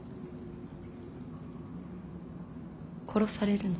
殺されるの？